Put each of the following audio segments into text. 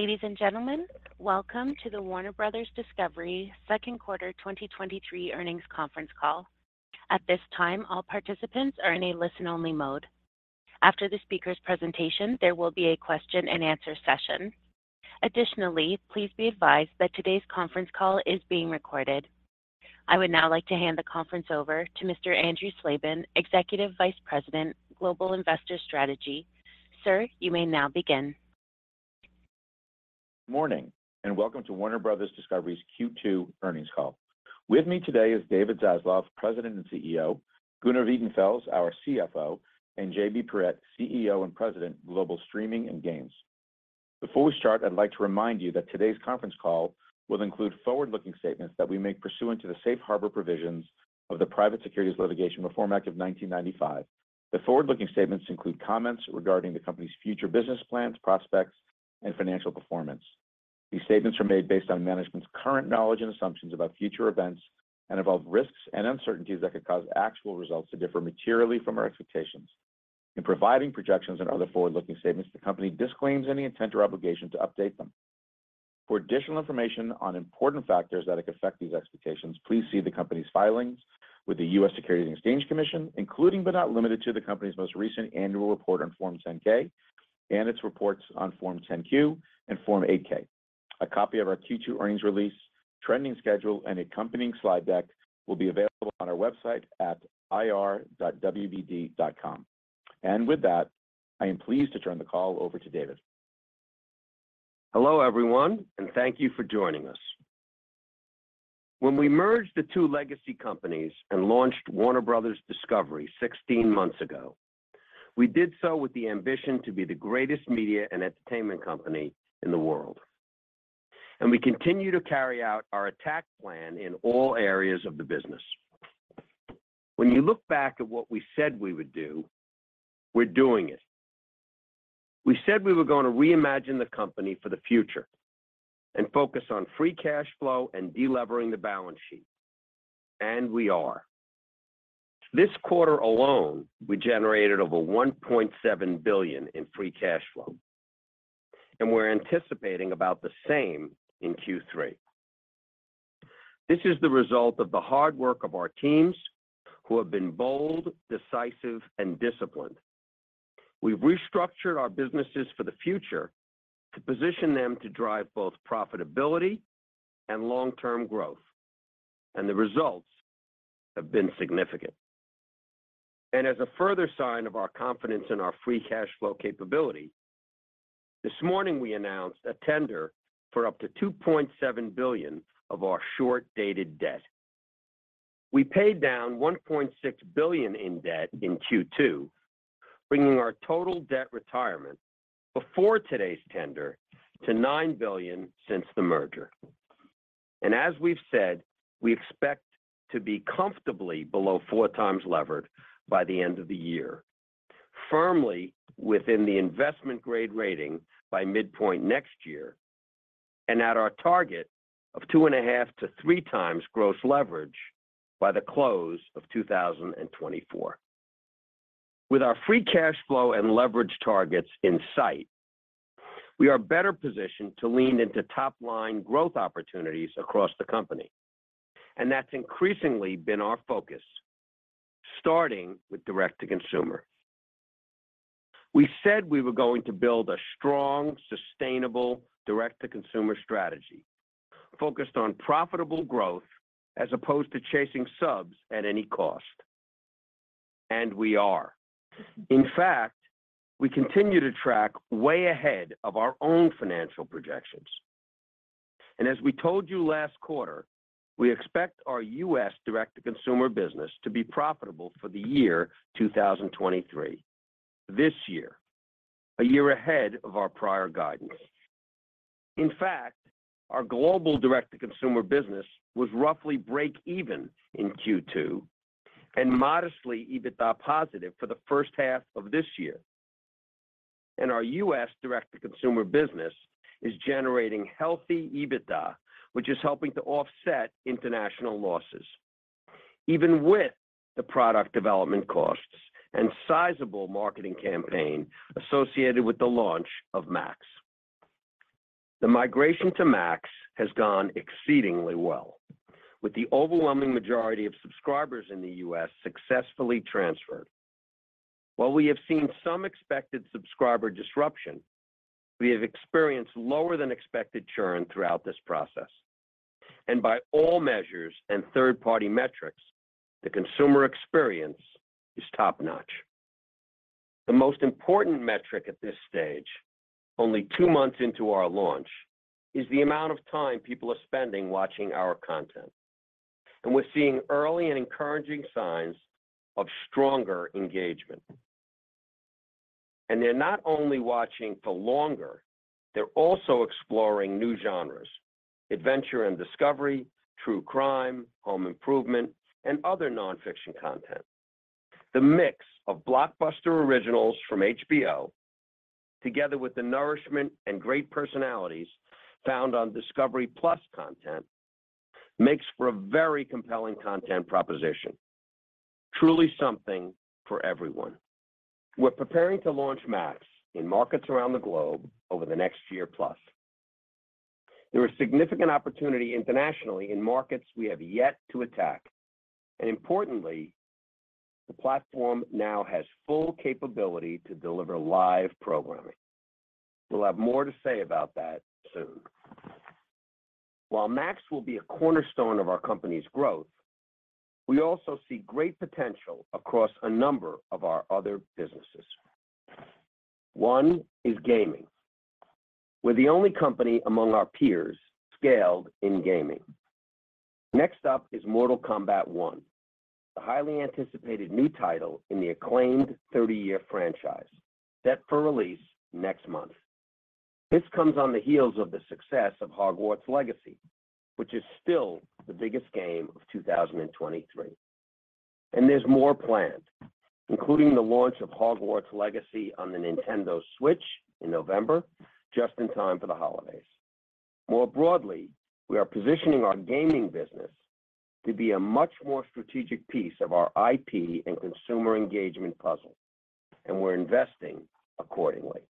Ladies and gentlemen, welcome to the Warner Bros. Discovery Second Quarter 2023 Earnings Conference Call. At this time, all participants are in a listen-only mode. After the speaker's presentation, there will be a question-and-answer session. Additionally, please be advised that today's conference call is being recorded. I would now like to hand the conference over to Mr. Andrew Slabin, Executive Vice President, Global Investor Strategy. Sir, you may now begin. Morning, welcome to Warner Bros. Discovery's Q2 earnings call. With me today is David Zaslav, President and CEO, Gunnar Wiedenfels, our CFO, and JB Perrette, CEO and President, Global Streaming and Games. Before we start, I'd like to remind you that today's conference call will include forward-looking statements that we make pursuant to the safe harbor provisions of the Private Securities Litigation Reform Act of 1995. The forward-looking statements include comments regarding the company's future business plans, prospects, and financial performance. These statements are made based on management's current knowledge and assumptions about future events and involve risks and uncertainties that could cause actual results to differ materially from our expectations. In providing projections and other forward-looking statements, the company disclaims any intent or obligation to update them. For additional information on important factors that could affect these expectations, please see the company's filings with the U.S. Securities and Exchange Commission, including but not limited to, the company's most recent annual report on Form 10-K and its reports on Form 10-Q and Form 8-K. A copy of our Q2 earnings release, trending schedule, and accompanying slide deck will be available on our website at ir.wbd.com. With that, I am pleased to turn the call over to David. Hello, everyone, and thank you for joining us. When we merged the two legacy companies and launched Warner Bros. Discovery 16 months ago, we did so with the ambition to be the greatest media and entertainment company in the world, and we continue to carry out our attack plan in all areas of the business. When you look back at what we said we would do, we're doing it. We said we were going to reimagine the company for the future and focus on free cash flow and delevering the balance sheet, and we are. This quarter alone, we generated over $1.7 billion in free cash flow, and we're anticipating about the same in Q3. This is the result of the hard work of our teams, who have been bold, decisive, and disciplined. We've restructured our businesses for the future to position them to drive both profitability and long-term growth, the results have been significant. As a further sign of our confidence in our free cash flow capability, this morning we announced a tender for up to $2.7 billion of our short-dated debt. We paid down $1.6 billion in debt in Q2, bringing our total debt retirement before today's tender to $9 billion since the merger. As we've said, we expect to be comfortably below 4x levered by the end of the year, firmly within the investment grade rating by midpoint next year, and at our target of 2.5x-3x gross leverage by the close of 2024. With our free cash flow and leverage targets in sight, we are better positioned to lean into top-line growth opportunities across the company, and that's increasingly been our focus, starting with direct-to-consumer. We said we were going to build a strong, sustainable direct-to-consumer strategy focused on profitable growth as opposed to chasing subs at any cost, and we are. In fact, we continue to track way ahead of our own financial projections. As we told you last quarter, we expect our U.S. direct-to-consumer business to be profitable for the year 2023, this year, a year ahead of our prior guidance. In fact, our global direct-to-consumer business was roughly break even in Q2 and modestly EBITDA positive for the first half of this year. Our U.S. direct-to-consumer business is generating healthy EBITDA, which is helping to offset international losses, even with the product development costs and sizable marketing campaign associated with the launch of Max. The migration to Max has gone exceedingly well, with the overwhelming majority of subscribers in the U.S. successfully transferred. While we have seen some expected subscriber disruption, we have experienced lower than expected churn throughout this process, and by all measures and third-party metrics, the consumer experience is top-notch. The most important metric at this stage, only months into our launch, is the amount of time people are spending watching our content. We're seeing early and encouraging signs of stronger engagement. They're not only watching for longer, they're also exploring new genres: adventure and discovery, true crime, home improvement, and other nonfiction content. The mix of blockbuster originals from HBO, together with the nourishment and great personalities found on discovery+ content, makes for a very compelling content proposition. Truly something for everyone. We're preparing to launch Max in markets around the globe over the next year plus. There are significant opportunity internationally in markets we have yet to attack, importantly, the platform now has full capability to deliver live programming. We'll have more to say about that soon. While Max will be a cornerstone of our company's growth, we also see great potential across a number of our other businesses. One is gaming. We're the only company among our peers scaled in gaming. Next up is Mortal Kombat 1, the highly anticipated new title in the acclaimed 30-year franchise, set for release next month. This comes on the heels of the success of Hogwarts Legacy, which is still the biggest game of 2023. There's more planned, including the launch of Hogwarts Legacy on the Nintendo Switch in November, just in time for the holidays. More broadly, we are positioning our gaming business to be a much more strategic piece of our IP and consumer engagement puzzle. We're investing accordingly.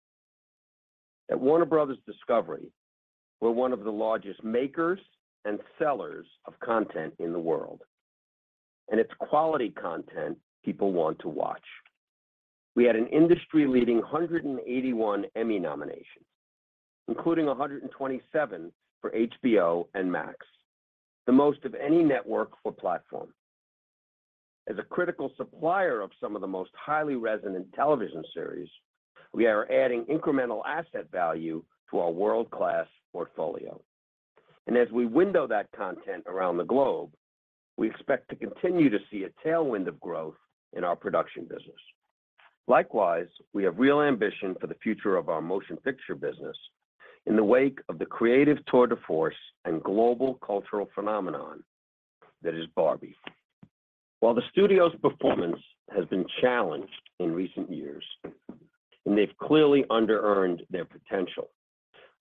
At Warner Bros. Discovery, we're one of the largest makers and sellers of content in the world. It's quality content people want to watch. We had an industry-leading 181 Emmy nominations, including 127 for HBO and Max, the most of any network or platform. As a critical supplier of some of the most highly resonant television series, we are adding incremental asset value to our world-class portfolio. As we window that content around the globe, we expect to continue to see a tailwind of growth in our production business. Likewise, we have real ambition for the future of our motion picture business in the wake of the creative tour de force and global cultural phenomenon that is Barbie. While the studio's performance has been challenged in recent years, and they've clearly under-earned their potential,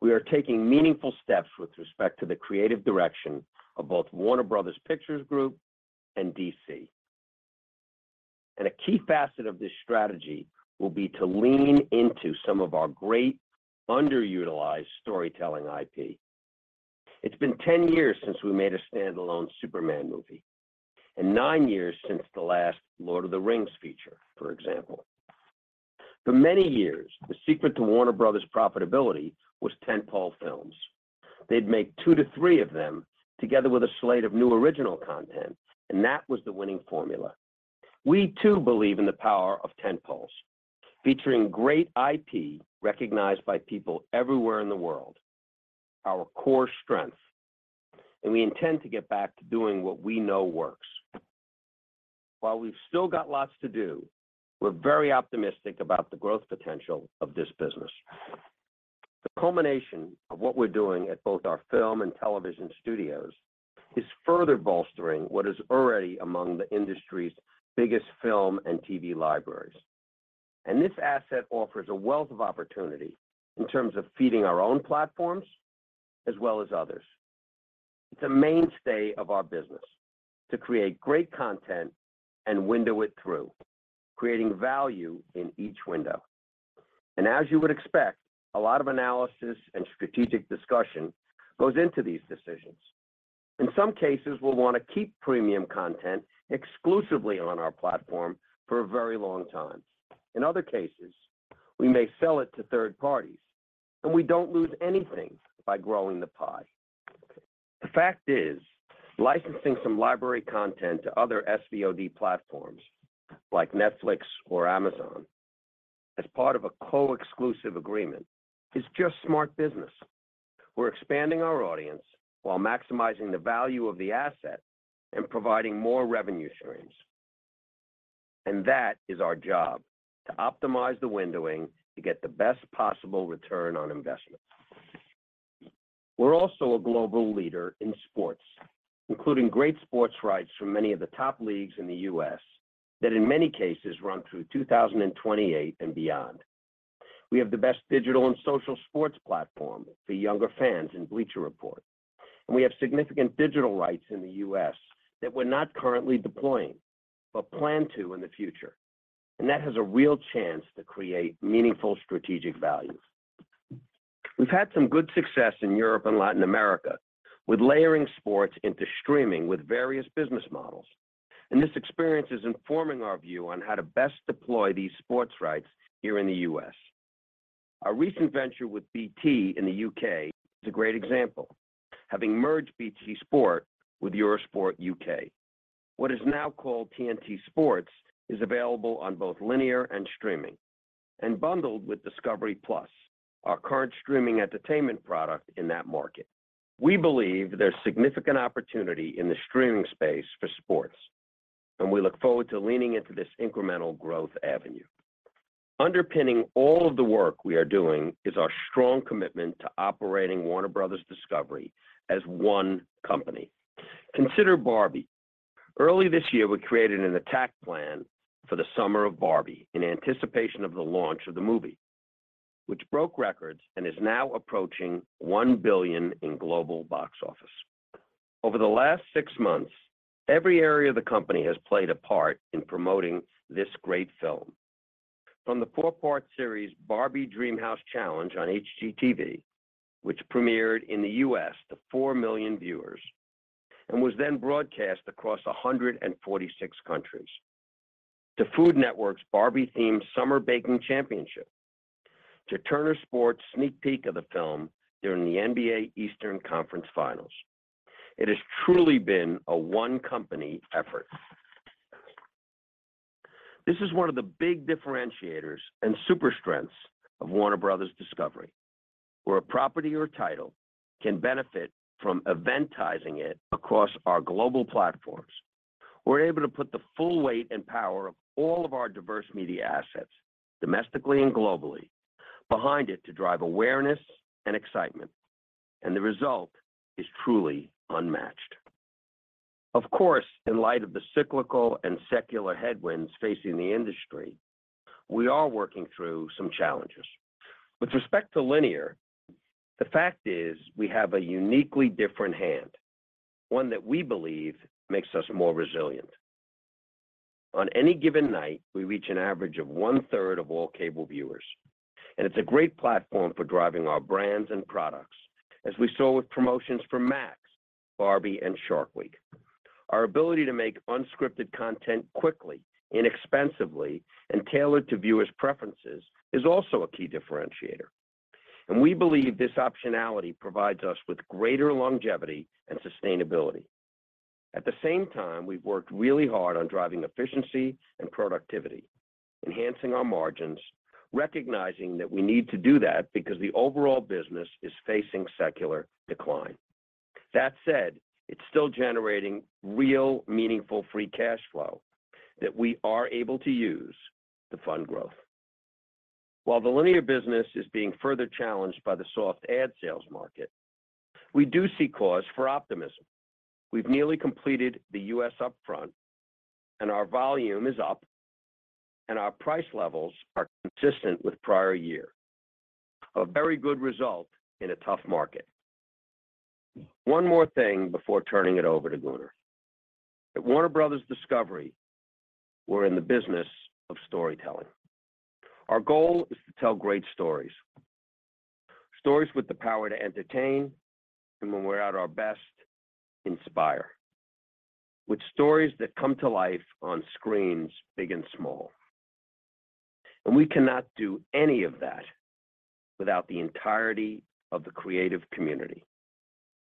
we are taking meaningful steps with respect to the creative direction of both Warner Bros. Pictures Group and DC. A key facet of this strategy will be to lean into some of our great underutilized storytelling IP. It's been 10 years since we made a standalone Superman movie and 9 years since the last Lord of the Rings feature, for example. For many years, the secret to Warner Bros.' profitability was tentpole films. They'd make two to three of them together with a slate of new original content. That was the winning formula. We too believe in the power of tentpoles, featuring great IP recognized by people everywhere in the world, our core strength, and we intend to get back to doing what we know works. While we've still got lots to do, we're very optimistic about the growth potential of this business. The culmination of what we're doing at both our film and television studios is further bolstering what is already among the industry's biggest film and TV libraries. This asset offers a wealth of opportunity in terms of feeding our own platforms as well as others. It's a mainstay of our business to create great content and window it through, creating value in each window. As you would expect, a lot of analysis and strategic discussion goes into these decisions. In some cases, we'll want to keep premium content exclusively on our platform for a very long time. In other cases, we may sell it to third parties, and we don't lose anything by growing the pie. The fact is, licensing some library content to other SVOD platforms, like Netflix or Amazon, as part of a co-exclusive agreement, is just smart business. We're expanding our audience while maximizing the value of the asset and providing more revenue streams. That is our job, to optimize the windowing to get the best possible return on investment. We're also a global leader in sports, including great sports rights from many of the top leagues in the U.S. that in many cases run through 2028 and beyond. We have the best digital and social sports platform for younger fans in Bleacher Report. We have significant digital rights in the U.S. that we're not currently deploying, but plan to in the future. That has a real chance to create meaningful strategic value. We've had some good success in Europe and Latin America with layering sports into streaming with various business models. This experience is informing our view on how to best deploy these sports rights here in the U.S. Our recent venture with BT in the U.K. is a great example. Having merged BT Sport with Eurosport U.K., what is now called TNT Sports, is available on both linear and streaming and bundled with discovery+, our current streaming entertainment product in that market. We believe there's significant opportunity in the streaming space for sports, and we look forward to leaning into this incremental growth avenue. Underpinning all of the work we are doing is our strong commitment to operating Warner Bros. Discovery as one company. Consider Barbie. Early this year, we created an attack plan for the summer of Barbie in anticipation of the launch of the movie, which broke records and is now approaching $1 billion in global box office. Over the last six months, every area of the company has played a part in promoting this great film. From the four-part series, Barbie Dreamhouse Challenge on HGTV, which premiered in the U.S. to 4 million viewers, and was then broadcast across 146 countries. To Food Network's Barbie-themed Summer Baking Championship, to Turner Sports' sneak peek of the film during the NBA Eastern Conference Finals. It has truly been a one company effort. This is one of the big differentiators and super strengths of Warner Bros. Discovery, where a property or title can benefit from eventizing it across our global platforms. We're able to put the full weight and power of all of our diverse media assets, domestically and globally, behind it to drive awareness and excitement, and the result is truly unmatched. Of course, in light of the cyclical and secular headwinds facing the industry, we are working through some challenges. With respect to linear, the fact is we have a uniquely different hand, one that we believe makes us more resilient. On any given night, we reach an average of one-third of all cable viewers, and it's a great platform for driving our brands and products, as we saw with promotions for Max, Barbie, and Shark Week. Our ability to make unscripted content quickly, inexpensively, and tailored to viewers' preferences is also a key differentiator, and we believe this optionality provides us with greater longevity and sustainability. At the same time, we've worked really hard on driving efficiency and productivity, enhancing our margins, recognizing that we need to do that because the overall business is facing secular decline. That said, it's still generating real, meaningful free cash flow that we are able to use to fund growth. While the linear business is being further challenged by the soft ad sales market, we do see cause for optimism. We've nearly completed the U.S. upfront, and our volume is up, and our price levels are consistent with prior year. A very good result in a tough market. One more thing before turning it over to Gunnar. At Warner Bros. Discovery, we're in the business of storytelling. Our goal is to tell great stories, stories with the power to entertain, and when we're at our best, inspire. With stories that come to life on screens, big and small. We cannot do any of that without the entirety of the creative community,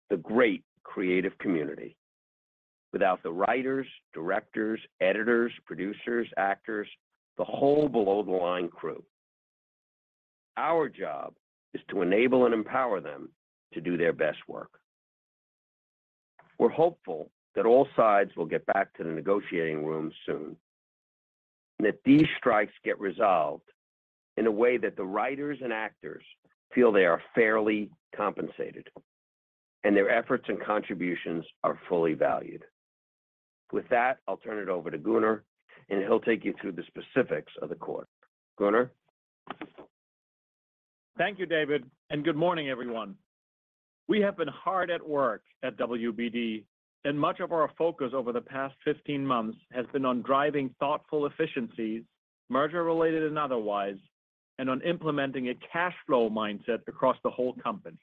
the great creative community, without the writers, directors, editors, producers, actors, the whole below-the-line crew. Our job is to enable and empower them to do their best work. We're hopeful that all sides will get back to the negotiating room soon, and that these strikes get resolved in a way that the writers and actors feel they are fairly compensated, and their efforts and contributions are fully valued. With that, I'll turn it over to Gunnar, and he'll take you through the specifics of the quarter. Gunnar? Thank you, David. Good morning, everyone. We have been hard at work at WBD, much of our focus over the past 15 months has been on driving thoughtful efficiencies, merger-related and otherwise, and on implementing a cash flow mindset across the whole company.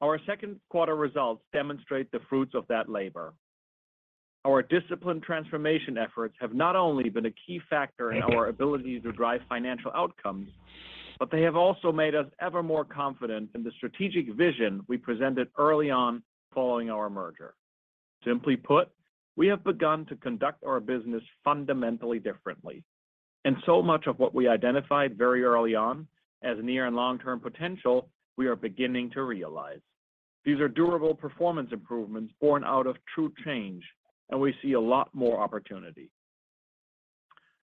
Our second quarter results demonstrate the fruits of that labor. Our disciplined transformation efforts have not only been a key factor in our ability to drive financial outcomes, but they have also made us ever more confident in the strategic vision we presented early on following our merger. Simply put, we have begun to conduct our business fundamentally differently, so much of what we identified very early on as near and long-term potential, we are beginning to realize. These are durable performance improvements born out of true change, we see a lot more opportunity.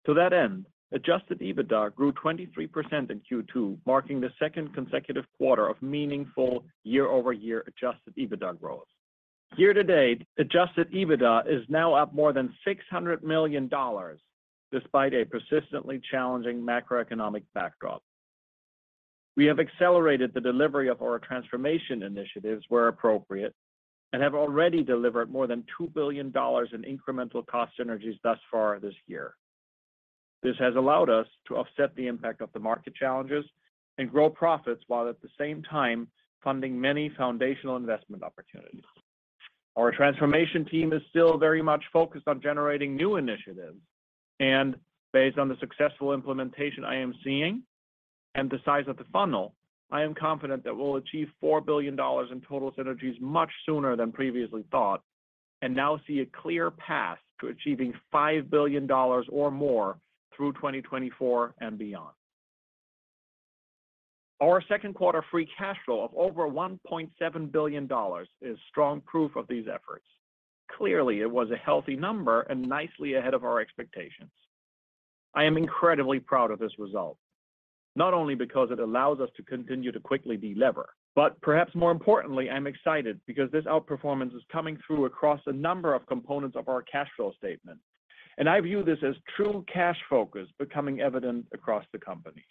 To that end, adjusted EBITDA grew 23% in Q2, marking the second consecutive quarter of meaningful year-over-year adjusted EBITDA growth. Year-to-date, adjusted EBITDA is now up more than $600 million, despite a persistently challenging macroeconomic backdrop. We have accelerated the delivery of our transformation initiatives where appropriate, and have already delivered more than $2 billion in incremental cost synergies thus far this year. This has allowed us to offset the impact of the market challenges and grow profits, while at the same time funding many foundational investment opportunities. Our transformation team is still very much focused on generating new initiatives, and based on the successful implementation I am seeing and the size of the funnel, I am confident that we'll achieve $4 billion in total synergies much sooner than previously thought, and now see a clear path to achieving $5 billion or more through 2024 and beyond. Our second quarter free cash flow of over $1.7 billion is strong proof of these efforts. Clearly, it was a healthy number and nicely ahead of our expectations. I am incredibly proud of this result, not only because it allows us to continue to quickly delever, but perhaps more importantly, I'm excited because this outperformance is coming through across a number of components of our cash flow statement. I view this as true cash focus becoming evident across the company.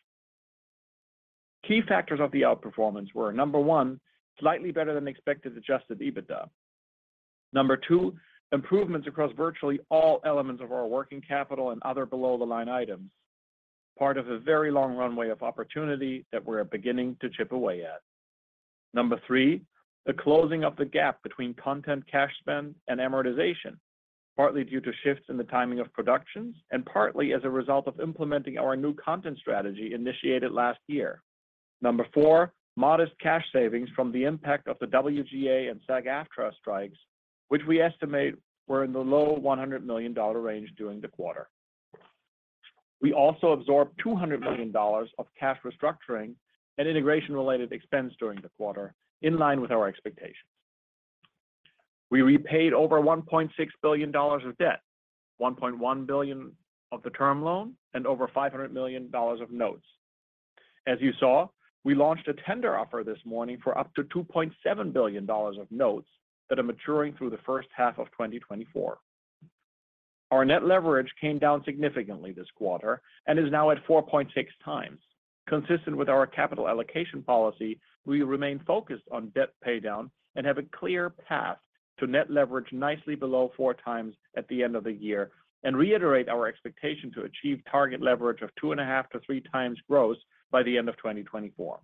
Key factors of the outperformance were: Number 1, slightly better than expected adjusted EBITDA. Number 2, improvements across virtually all elements of our working capital and other below-the-line items, part of a very long runway of opportunity that we're beginning to chip away at. Number 3, the closing of the gap between content cash spend and amortization, partly due to shifts in the timing of productions and partly as a result of implementing our new content strategy initiated last year. Number 4, modest cash savings from the impact of the WGA and SAG-AFTRA strikes, which we estimate were in the low $100 million range during the quarter. We also absorbed $200 million of cash restructuring and integration-related expense during the quarter, in line with our expectations. We repaid over $1.6 billion of debt, $1.1 billion of the term loan, and over $500 million of notes. As you saw, we launched a tender offer this morning for up to $2.7 billion of notes that are maturing through the first half of 2024. Our net leverage came down significantly this quarter and is now at 4.6x. Consistent with our capital allocation policy, we remain focused on debt paydown and have a clear path to net leverage nicely below 4x at the end of the year, and reiterate our expectation to achieve target leverage of 2.5x-3x gross by the end of 2024.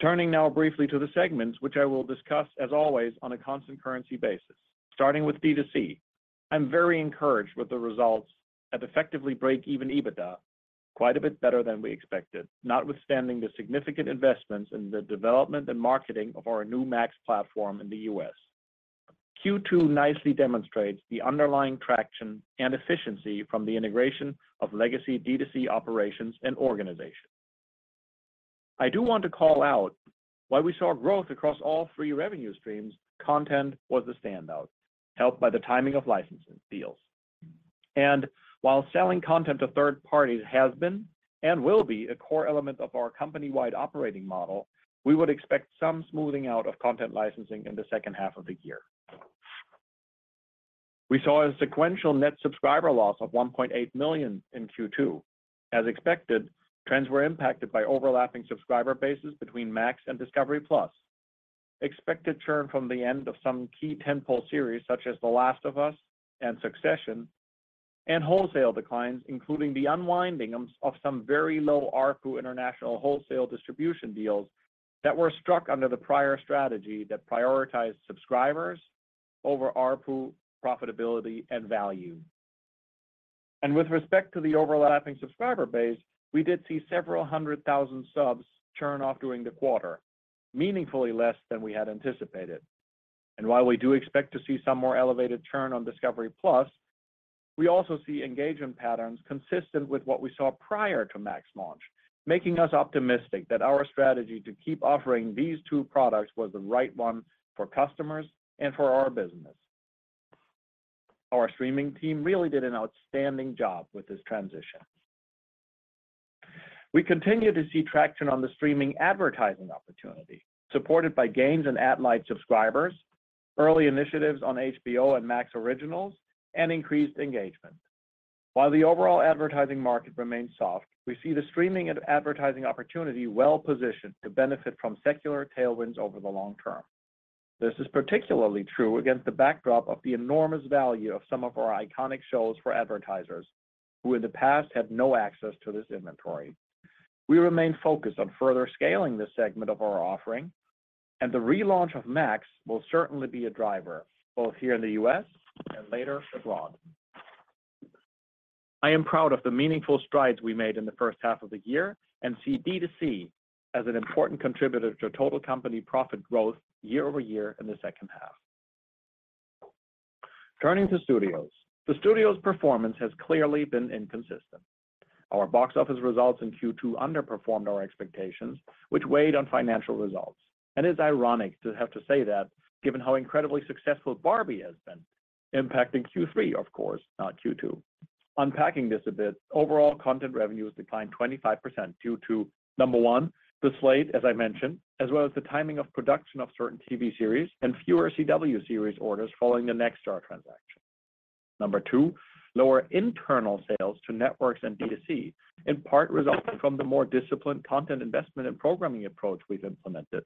Turning now briefly to the segments, which I will discuss, as always, on a constant currency basis. Starting with DTC. I'm very encouraged with the results at effectively break-even EBITDA, quite a bit better than we expected, notwithstanding the significant investments in the development and marketing of our new Max platform in the US. Q2 nicely demonstrates the underlying traction and efficiency from the integration of legacy DTC operations and organization. I do want to call out why we saw growth across all three revenue streams. Content was the standout, helped by the timing of licensing deals. While selling content to third parties has been and will be a core element of our company-wide operating model, we would expect some smoothing out of content licensing in the second half of the year. We saw a sequential net subscriber loss of 1.8 million in Q2. As expected, trends were impacted by overlapping subscriber bases between Max and discovery+. Expected churn from the end of some key tentpole series, such as The Last of Us and Succession, and wholesale declines, including the unwinding of some very low ARPU international wholesale distribution deals that were struck under the prior strategy that prioritized subscribers over ARPU, profitability, and value. With respect to the overlapping subscriber base, we did see several 100,000 subs churn off during the quarter, meaningfully less than we had anticipated. While we do expect to see some more elevated churn on discovery+, we also see engagement patterns consistent with what we saw prior to Max launch, making us optimistic that our strategy to keep offering these two products was the right one for customers and for our business. Our streaming team really did an outstanding job with this transition. We continue to see traction on the streaming advertising opportunity, supported by gains in ad-light subscribers, early initiatives on HBO and Max Originals, and increased engagement. While the overall advertising market remains soft, we see the streaming and advertising opportunity well positioned to benefit from secular tailwinds over the long term. This is particularly true against the backdrop of the enormous value of some of our iconic shows for advertisers, who in the past had no access to this inventory. We remain focused on further scaling this segment of our offering, and the relaunch of Max will certainly be a driver, both here in the U.S. and later abroad. I am proud of the meaningful strides we made in the first half of the year and see D2C as an important contributor to total company profit growth year-over-year in the second half. Turning to studios. The studio's performance has clearly been inconsistent. Our box office results in Q2 underperformed our expectations, which weighed on financial results. It's ironic to have to say that, given how incredibly successful Barbie has been, impacting Q3, of course, not Q2. Unpacking this a bit, overall content revenues declined 25% due to: Number 1, the slate, as I mentioned, as well as the timing of production of certain TV series and fewer CW series orders following the Nexstar transaction. Number 2, lower internal sales to networks and D2C, in part resulting from the more disciplined content investment and programming approach we've implemented,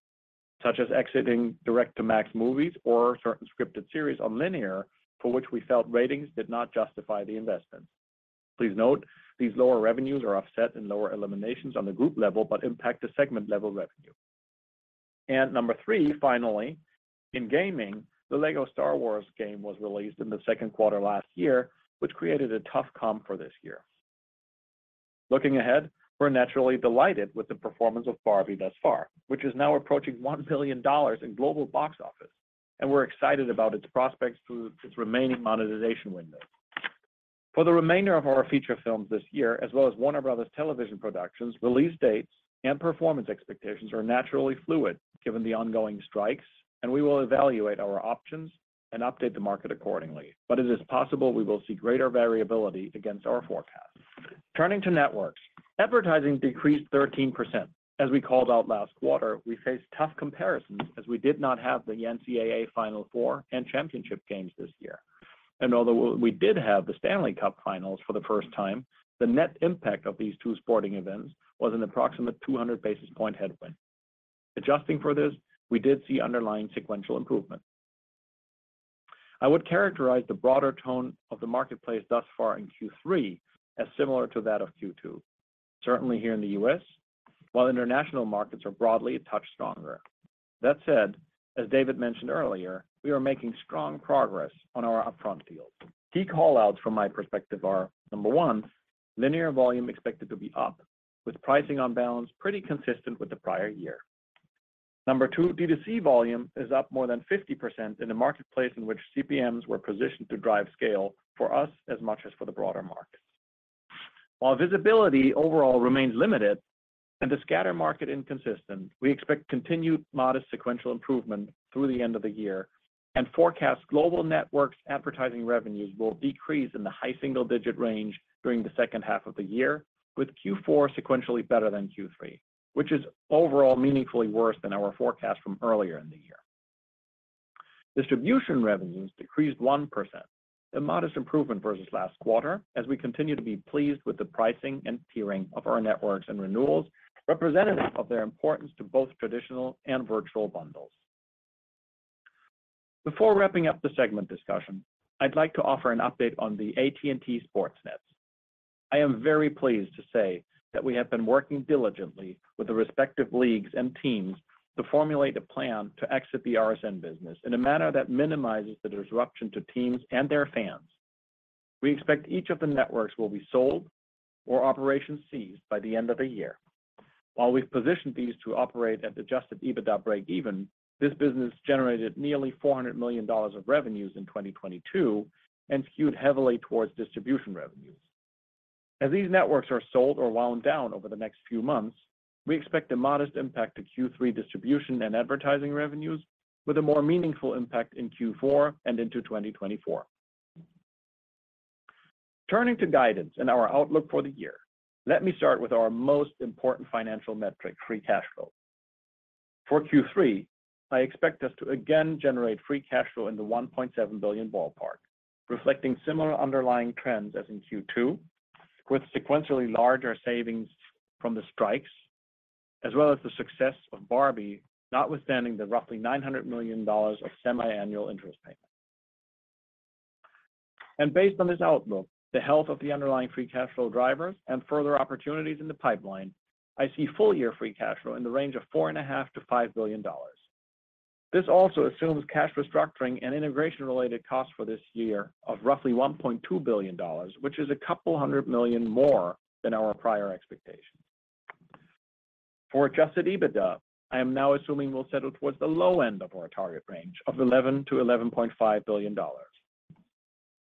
such as exiting direct-to-Max movies or certain scripted series on linear, for which we felt ratings did not justify the investment. Please note, these lower revenues are offset in lower eliminations on the group level, but impact the segment-level revenue. Number three, finally, in gaming, the LEGO Star Wars game was released in the second quarter last year, which created a tough comp for this year. Looking ahead, we're naturally delighted with the performance of Barbie thus far, which is now approaching $1 billion in global box office, and we're excited about its prospects through its remaining monetization window. For the remainder of our feature films this year, as well as Warner Bros. television productions, release dates and performance expectations are naturally fluid given the ongoing strikes, and we will evaluate our options and update the market accordingly. It is possible we will see greater variability against our forecast. Turning to networks, advertising decreased 13%. As we called out last quarter, we face tough comparisons as we did not have the NCAA Final Four and championship games this year. Although we did have the Stanley Cup finals for the first time, the net impact of these two sporting events was an approximate 200 basis point headwind. Adjusting for this, we did see underlying sequential improvement. I would characterize the broader tone of the marketplace thus far in Q3 as similar to that of Q2, certainly here in the U.S., while international markets are broadly a touch stronger. As David mentioned earlier, we are making strong progress on our upfront deals. Key call-outs from my perspective are: Number 1, linear volume expected to be up, with pricing on balance pretty consistent with the prior year. Number 2, D2C volume is up more than 50% in a marketplace in which CPMs were positioned to drive scale for us as much as for the broader market. While visibility overall remains limited and the scatter market inconsistent, we expect continued modest sequential improvement through the end of the year and forecast global networks' advertising revenues will decrease in the high single-digit range during the second half of the year, with Q4 sequentially better than Q3, which is overall meaningfully worse than our forecast from earlier in the year. Distribution revenues decreased 1%, a modest improvement versus last quarter, as we continue to be pleased with the pricing and tiering of our networks and renewals, representative of their importance to both traditional and virtual bundles. Before wrapping up the segment discussion, I'd like to offer an update on the AT&T SportsNet. I am very pleased to say that we have been working diligently with the respective leagues and teams to formulate a plan to exit the RSN business in a manner that minimizes the disruption to teams and their fans. We expect each of the networks will be sold or operation seized by the end of the year. While we've positioned these to operate at adjusted EBITDA breakeven, this business generated nearly $400 million of revenues in 2022 and skewed heavily towards distribution revenues. As these networks are sold or wound down over the next few months, we expect a modest impact to Q3 distribution and advertising revenues, with a more meaningful impact in Q4 and into 2024. Turning to guidance and our outlook for the year, let me start with our most important financial metric, free cash flow. For Q3, I expect us to again generate free cash flow in the $1.7 billion ballpark, reflecting similar underlying trends as in Q2, with sequentially larger savings from the strikes, as well as the success of Barbie, notwithstanding the roughly $900 million of semiannual interest payments. Based on this outlook, the health of the underlying free cash flow drivers and further opportunities in the pipeline, I see full-year free cash flow in the range of $4.5 billion-$5 billion. This also assumes cash restructuring and integration-related costs for this year of roughly $1.2 billion, which is a $200 million more than our prior expectations. For adjusted EBITDA, I am now assuming we'll settle towards the low end of our target range of $11 billion-$11.5 billion.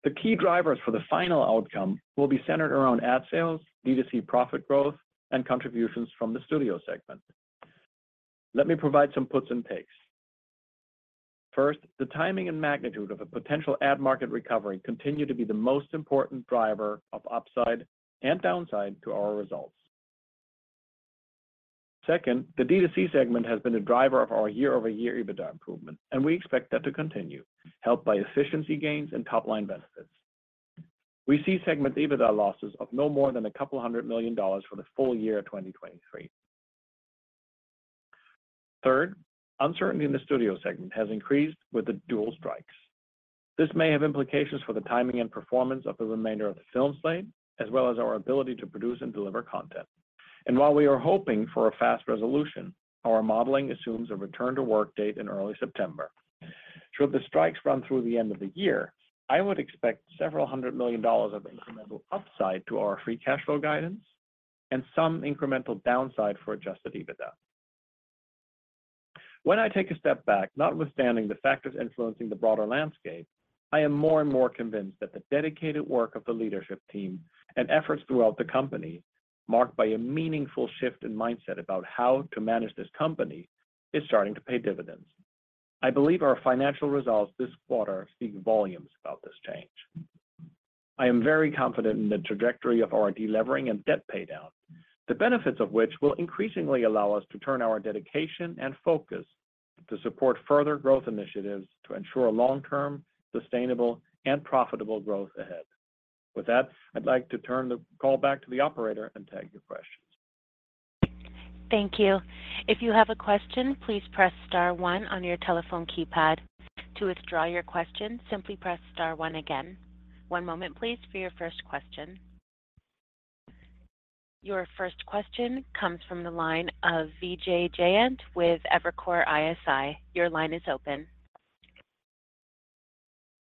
The key drivers for the final outcome will be centered around ad sales, D2C profit growth, and contributions from the studio segment. Let me provide some puts and takes. First, the timing and magnitude of a potential ad market recovery continue to be the most important driver of upside and downside to our results. Second, the D2C segment has been a driver of our year-over-year EBITDA improvement, and we expect that to continue, helped by efficiency gains and top-line benefits. We see segment EBITDA losses of no more than $200 million for the full year of 2023. Third, uncertainty in the studio segment has increased with the dual strikes. This may have implications for the timing and performance of the remainder of the film slate, as well as our ability to produce and deliver content. While we are hoping for a fast resolution, our modeling assumes a return to work date in early September. Should the strikes run through the end of the year, I would expect several hundred million dollars of incremental upside to our free cash flow guidance and some incremental downside for adjusted EBITDA. I take a step back, notwithstanding the factors influencing the broader landscape, I am more and more convinced that the dedicated work of the leadership team and efforts throughout the company, marked by a meaningful shift in mindset about how to manage this company, is starting to pay dividends. I believe our financial results this quarter speak volumes about this change. I am very confident in the trajectory of our delevering and debt paydown, the benefits of which will increasingly allow us to turn our dedication and focus to support further growth initiatives to ensure long-term, sustainable, and profitable growth ahead. With that, I'd like to turn the call back to the operator and take your questions. Thank you. If you have a question, please press star one on your telephone keypad. To withdraw your question, simply press star one again. One moment, please, for your first question. Your first question comes from the line of Vijay Jayant with Evercore ISI. Your line is open.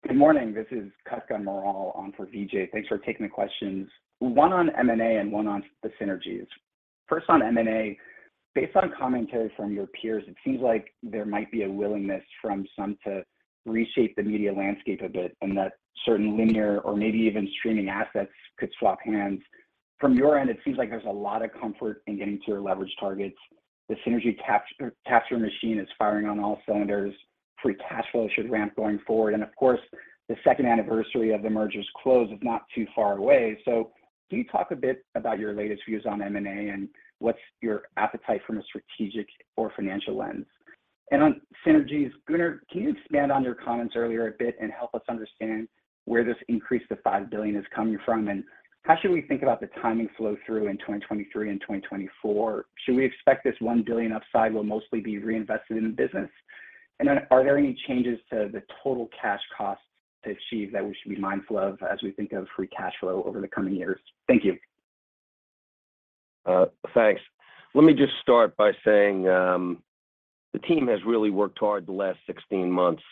Good morning. This is Kutgun Maral on for Vijay. Thanks for taking the questions. One on M&A and one on the synergies. First, on M&A, based on commentary from your peers, it seems like there might be a willingness from some to reshape the media landscape a bit, and that certain linear or maybe even streaming assets could swap hands. From your end, it seems like there's a lot of comfort in getting to your leverage targets. The synergy capture machine is firing on all cylinders. Free cash flow should ramp going forward. Of course, the second anniversary of the merger's close is not too far away. Can you talk a bit about your latest views on M&A, and what's your appetite from a strategic or financial lens? On synergies, Gunnar, can you expand on your comments earlier a bit and help us understand where this increase to $5 billion is coming from? How should we think about the timing flow-through in 2023 and 2024? Should we expect this $1 billion upside will mostly be reinvested in the business? Are there any changes to the total cash costs to achieve that we should be mindful of as we think of free cash flow over the coming years? Thank you. Thanks. Let me just start by saying, the team has really worked hard the last 16 months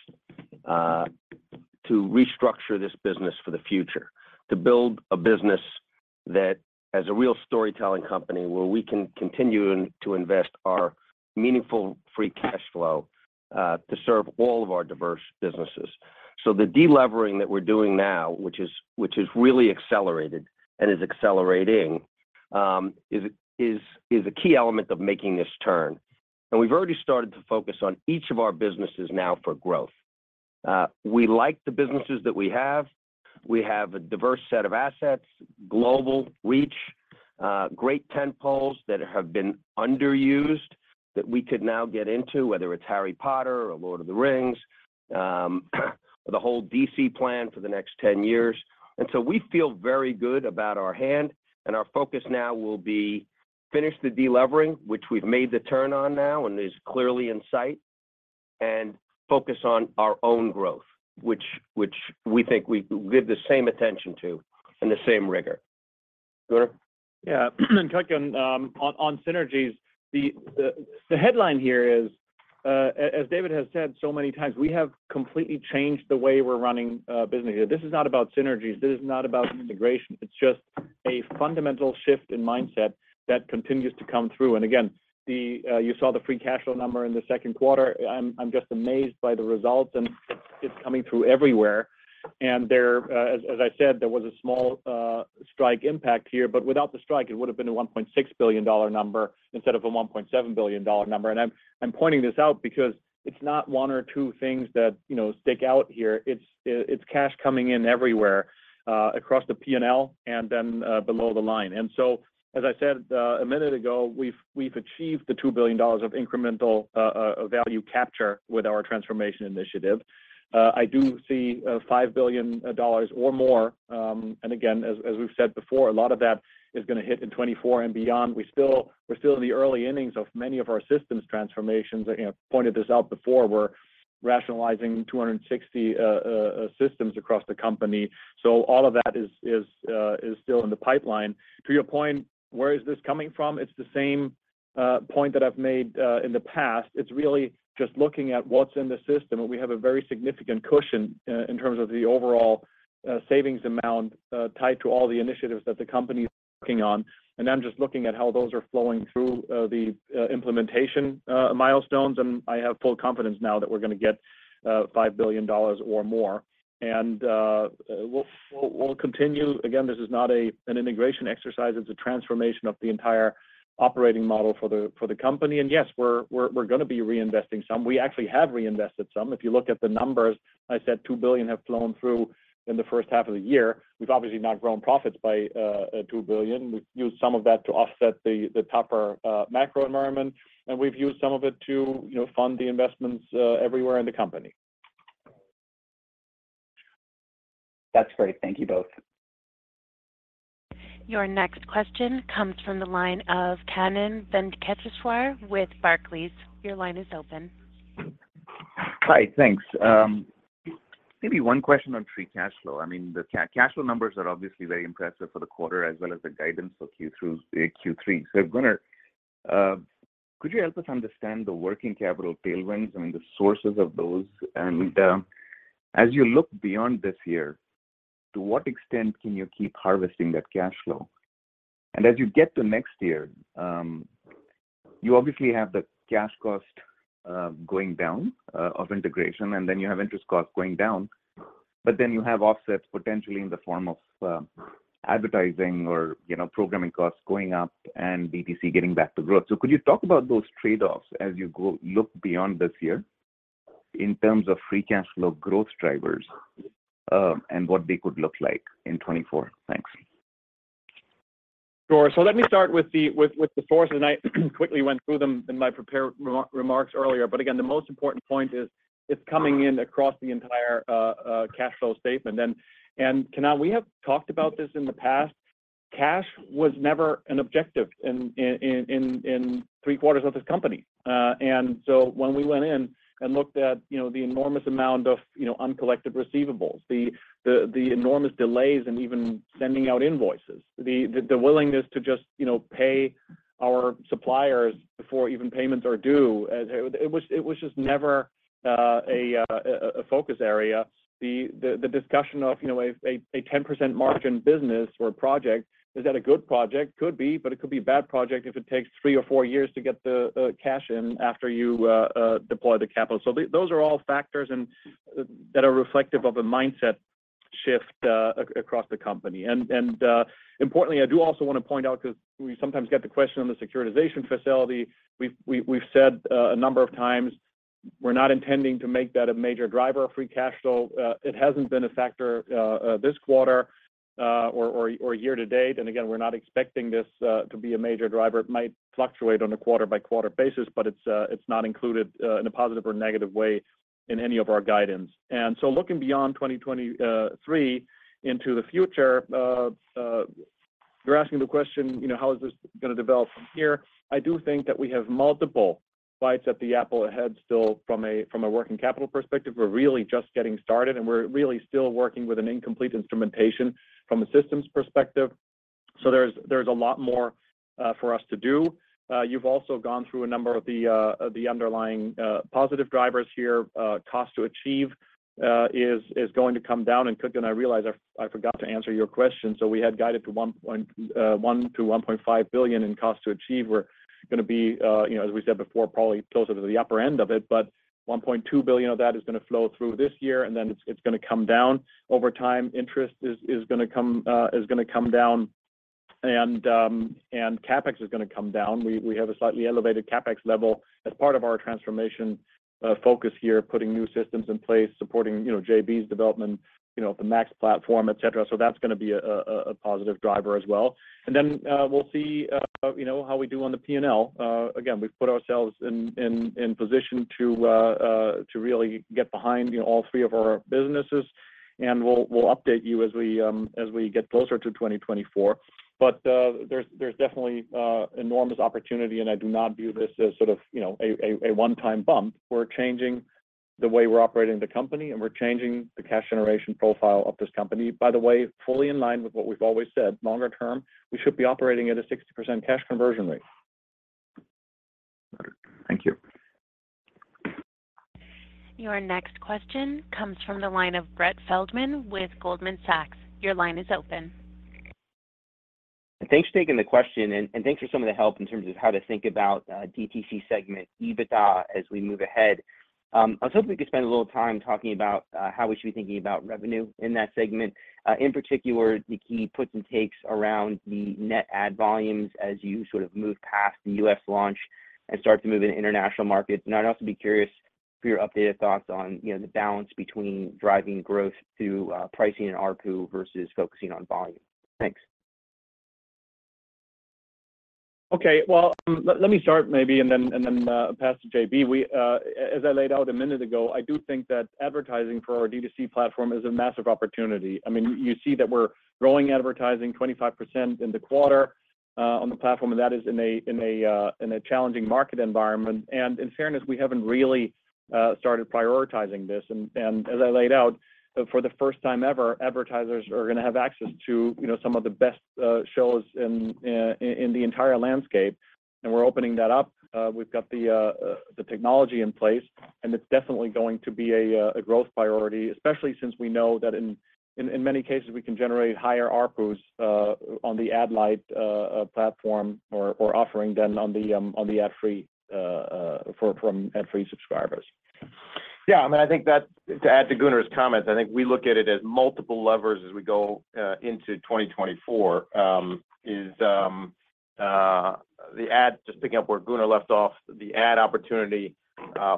to restructure this business for the future, to build a business that, as a real storytelling company, where we can continue to, to invest our meaningful free cash flow to serve all of our diverse businesses. The delevering that we're doing now, which is, which is really accelerated and is accelerating, is, is, is a key element of making this turn. We've already started to focus on each of our businesses now for growth. We like the businesses that we have. We have a diverse set of assets, global reach, great tentpoles that have been underused that we could now get into, whether it's Harry Potter or Lord of the Rings, the whole DC plan for the next 10 years. So we feel very good about our hand, and our focus now will be finish the delevering, which we've made the turn on now and is clearly in sight, and focus on our own growth, which, which we think we give the same attention to and the same rigor. Gunnar? Yeah, touching on synergies, the headline here is, as David has said so many times, we have completely changed the way we're running business here. This is not about synergies. This is not about integration. It's just a fundamental shift in mindset that continues to come through. Again, you saw the free cash flow number in the second quarter. I'm just amazed by the results, and it's coming through everywhere. There, as I said, there was a small strike impact here, but without the strike, it would have been a $1.6 billion number instead of a $1.7 billion number. I'm pointing this out because it's not one or two things that, you know, stick out here. It's, it's cash coming in everywhere, across the P&L and then, below the line. As I said, a minute ago, we've, we've achieved the $2 billion of incremental value capture with our transformation initiative. I do see $5 billion or more, and again, as, as we've said before, a lot of that is gonna hit in 2024 and beyond. We're still in the early innings of many of our systems transformations. I, you know, pointed this out before, we're rationalizing 260 systems across the company. All of that is, is still in the pipeline. To your point, where is this coming from? It's the same point that I've made in the past. It's really just looking at what's in the system, and we have a very significant cushion in terms of the overall savings amount tied to all the initiatives that the company is working on. I'm just looking at how those are flowing through the implementation milestones, and I have full confidence now that we're gonna get $5 billion or more. We'll continue. Again, this is not a, an integration exercise. It's a transformation of the entire operating model for the company. Yes, we're gonna be reinvesting some. We actually have reinvested some. If you look at the numbers, I said $2 billion have flown through in the first half of the year. We've obviously not grown profits by $2 billion. We've used some of that to offset the, the tougher, macro environment, and we've used some of it to, you know, fund the investments, everywhere in the company. That's great. Thank you both. Your next question comes from the line of Kannan Venkateshwar with Barclays. Your line is open. Hi, thanks. Maybe one question on free cash flow? I mean, the cash flow numbers are obviously very impressive for the quarter, as well as the guidance for Q2 through Q3. Gunnar, could you help us understand the working capital tailwinds, I mean, the sources of those? As you look beyond this year, to what extent can you keep harvesting that cash flow? As you get to next year, you obviously have the cash cost going down of integration, and then you have interest costs going down, but then you have offsets potentially in the form of advertising or, you know, programming costs going up and DTC getting back to growth. Could you talk about those trade-offs as you go look beyond this year in terms of free cash flow growth drivers, and what they could look like in 2024? Thanks. Sure. Let me start with the sources. I quickly went through them in my prepared remarks earlier. Again, the most important point is it's coming in across the entire cash flow statement. Kannan, we have talked about this in the past. Cash was never an objective in three quarters of this company. So when we went in and looked at, you know, the enormous amount of, you know, uncollected receivables, the enormous delays in even sending out invoices, the willingness to just, you know, pay our suppliers before even payments are due, it was just never a focus area. The discussion of, you know, a 10% margin business or project, is that a good project? Could be, but it could be a bad project if it takes three or four years to get the cash in after you deploy the capital. Those are all factors that are reflective of a mindset shift across the company. Importantly, I do also wanna point out 'cause we sometimes get the question on the securitization facility. We've, we've, we've said a number of times we're not intending to make that a major driver of free cash flow. It hasn't been a factor this quarter or year to date. Again, we're not expecting this to be a major driver. It might fluctuate on a quarter-by-quarter basis, but it's not included in a positive or negative way in any of our guidance. Looking beyond 2023 into the future, you're asking the question, you know, how is this going to develop from here? I do think that we have multiple bites at the apple ahead still from a, from a working capital perspective. We're really just getting started, and we're really still working with an incomplete instrumentation from a systems perspective. There's, there's a lot more for us to do. You've also gone through a number of the underlying positive drivers here. Cost to achieve is going to come down and cook. I realize I, I forgot to answer your question. We had guided to $1.1 billion-$1.5 billion in cost to achieve. We're gonna be, you know, as we said before, probably closer to the upper end of it, but $1.2 billion of that is gonna flow through this year, and then it's, it's gonna come down. Over time, interest is, is gonna come, is gonna come down, and CapEx is gonna come down. We, we have a slightly elevated CapEx level as part of our transformation, focus here, putting new systems in place, supporting, you know, JB's development, you know, the Max platform, et cetera. That's gonna be a, a, a positive driver as well. We'll see, you know, how we do on the P&L. Again, we've put ourselves in, in, in position to really get behind, you know, all three of our businesses. We'll update you as we get closer to 2024. There's definitely enormous opportunity. I do not view this as sort of, you know, a, a, a one-time bump. We're changing the way we're operating the company, and we're changing the cash generation profile of this company. By the way, fully in line with what we've always said, longer term, we should be operating at a 60% cash conversion rate. Thank you. Your next question comes from the line of Brett Feldman with Goldman Sachs. Your line is open. Thanks for taking the question, and, and thanks for some of the help in terms of how to think about DTC segment, EBITDA, as we move ahead. I was hoping we could spend a little time talking about how we should be thinking about revenue in that segment. In particular, the key puts and takes around the net ad volumes as you sort of move past the U.S. launch and start to move into international markets. I'd also be curious for your updated thoughts on, you know, the balance between driving growth through pricing and ARPU versus focusing on volume. Thanks. Okay. Well, let me start maybe, and then, and then, pass to JB. We. As I laid out a minute ago, I do think that advertising for our D2C platform is a massive opportunity. I mean, you see that we're growing advertising 25% in the quarter, on the platform, and that is in a, in a, in a challenging market environment. In fairness, we haven't really started prioritizing this. As I laid out, for the first time ever, advertisers are gonna have access to, you know, some of the best shows in, in, the entire landscape, and we're opening that up. We've got the, the technology in place, and it's definitely going to be a growth priority, especially since we know that in, in, in many cases, we can generate higher ARPUs, on the ad light, platform or, or offering than on the, on the ad free, for, from ad free subscribers. Yeah, I mean, I think that to add to Gunnar's comments, I think we look at it as multiple levers as we go, into 2024. Just picking up where Gunnar left off, the ad opportunity,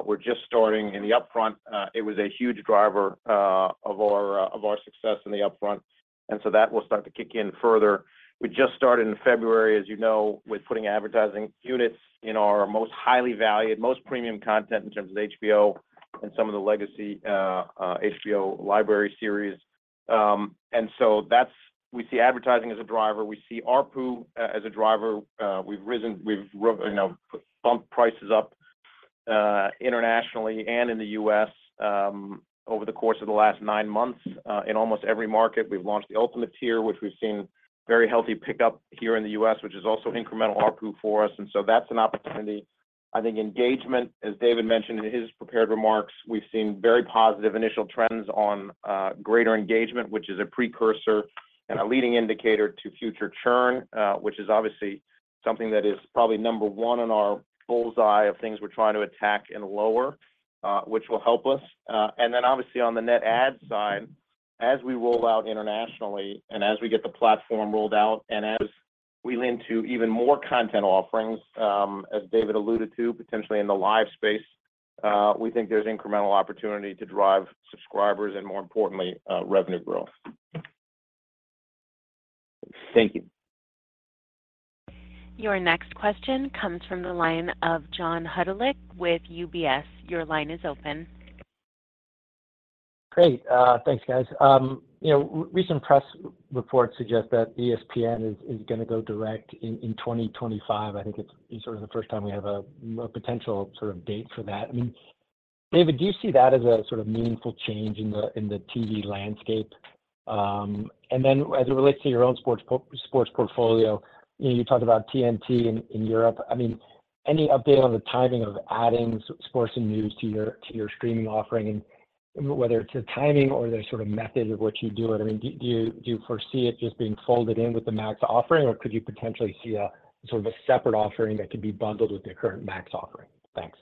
we're just starting in the upfront. It was a huge driver, of our, of our success in the upfront, and so that will start to kick in further. We just started in February, as you know, with putting advertising units in our most highly valued, most premium content in terms of HBO and some of the legacy, HBO library series. So that's, we see advertising as a driver. We see ARPU as a driver. We've risen- we've, you know, bumped prices up internationally and in the U.S. over the course of the last nine months in almost every market. We've launched the ultimate tier, which we've seen very healthy pickup here in the U.S., which is also incremental ARPU for us, and so that's an opportunity. I think engagement, as David mentioned in his prepared remarks, we've seen very positive initial trends on greater engagement, which is a precursor and a leading indicator to future churn, which is obviously something that is probably number one on our bull's-eye of things we're trying to attack and lower, which will help us. Obviously on the net add side, as we roll out internationally and as we get the platform rolled out and as we lean to even more content offerings, as David alluded to, potentially in the live space, we think there's incremental opportunity to drive subscribers and, more importantly, revenue growth. Thank you. Your next question comes from the line of John Hodulik with UBS. Your line is open. Great. thanks, guys. you know, recent press reports suggest that ESPN is, is gonna go direct in, in 2025. I think it's sort of the first time we have a, a potential sort of date for that. I mean, David, do you see that as a sort of meaningful change in the, in the TV landscape? Then as it relates to your own sports po- sports portfolio, you know, you talked about TNT in, in Europe. I mean, any update on the timing of adding sports and news to your, to your streaming offering, and whether it's the timing or the sort of method of which you do it, I mean, do you foresee it just being folded in with the Max offering, or could you potentially see a sort of a separate offering that could be bundled with your current Max offering? Thanks.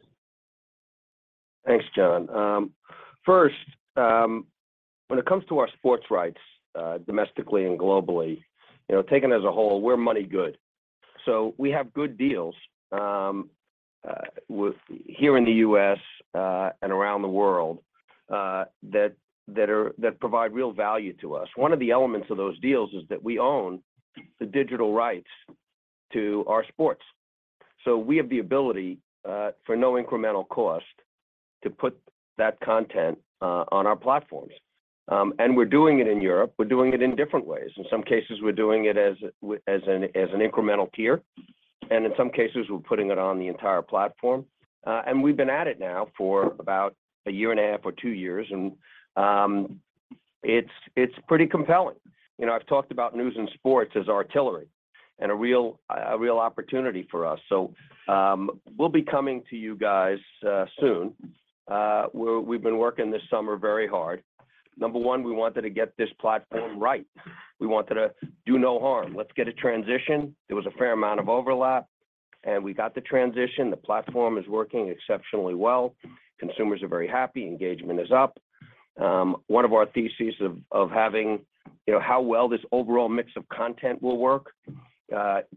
Thanks, John. First, when it comes to our sports rights, domestically and globally, you know, taken as a whole, we're money good. We have good deals with here in the U.S. and around the world that provide real value to us. One of the elements of those deals is that we own the digital rights to our sports. We have the ability for no incremental cost to put that content on our platforms. We're doing it in Europe. We're doing it in different ways. In some cases, we're doing it as an incremental tier, and in some cases, we're putting it on the entire platform. We've been at it now for about 1.5 or 2 years, and it's pretty compelling. You know, I've talked about news and sports as artillery and a real, a real opportunity for us. We'll be coming to you guys soon. We've been working this summer very hard. Number one, we wanted to get this platform right. We wanted to do no harm. Let's get a transition. There was a fair amount of overlap, and we got the transition. The platform is working exceptionally well. Consumers are very happy. Engagement is up. One of our theses of, of having, you know, how well this overall mix of content will work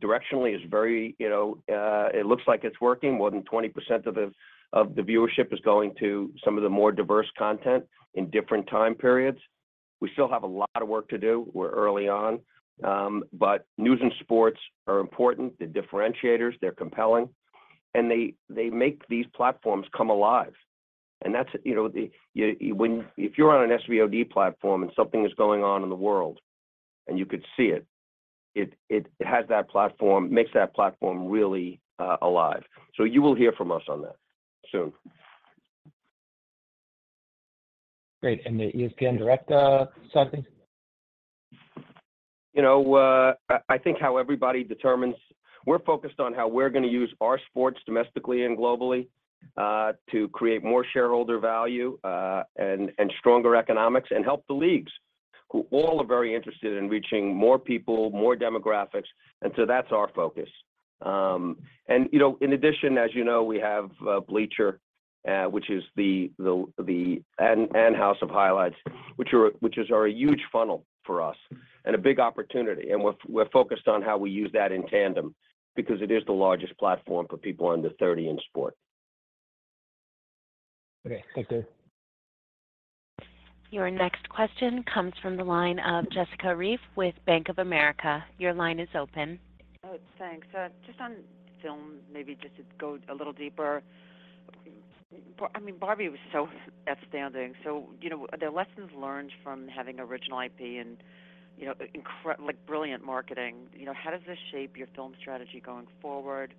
directionally is very, it looks like it's working. More than 20% of the, of the viewership is going to some of the more diverse content in different time periods. We still have a lot of work to do. We're early on, but news and sports are important. They're differentiators, they're compelling, and they, they make these platforms come alive. That's, you know, if you're on an SVOD platform and something is going on in the world, and you could see it, it, it has that platform makes that platform really alive. You will hear from us on that soon. Great. The ESPN Direct, something? You know, I, I think how everybody determines- we're focused on how we're gonna use our sports domestically and globally to create more shareholder value and stronger economics, and help the leagues, who all are very interested in reaching more people, more demographics. So that's our focus. You know, in addition, as you know, we have Bleacher, which is House of Highlights, are a huge funnel for us and a big opportunity, and we're, we're focused on how we use that in tandem because it is the largest platform for people under 30 in sport. Okay, thank you. Your next question comes from the line of Jessica Reif with Bank of America. Your line is open. Oh, thanks. Just on film, maybe just to go a little deeper. I mean, Barbie was so outstanding. You know, the lessons learned from having original IP and, you know, like, brilliant marketing, you know, how does this shape your film strategy going forward?